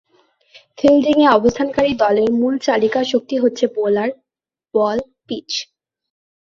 ফিল্ডিংয়ে অবস্থানকারী দলের মূল চালিকা শক্তি হচ্ছে বোলার, বল, পিচ।